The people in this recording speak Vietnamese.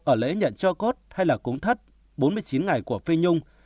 ở lễ nhận cho cốt hay là cúng thất bốn mươi chín ngày của phi nhung